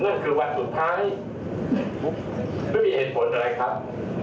นั่นคือวันสุดท้ายไม่มีเหตุผลอะไรครับ